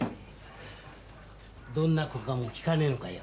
どんな子かも聞かねえのかよ。